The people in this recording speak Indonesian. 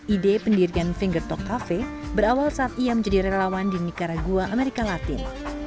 ide pendirian finger talk cafe berawal saat ia menjadi relawan di nicaragua amerika latin